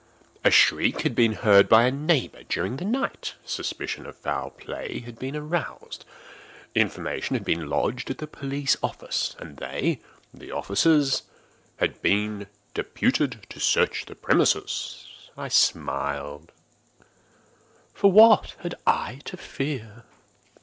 A shriek had been heard by a neighbour during the night; suspicion of foul play had been aroused; information had been lodged at the police office, and they (the officers) had been deputed to search the premises. I smiled,—for what had I to fear?